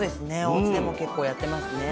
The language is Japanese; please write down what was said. おうちでも結構やってますね。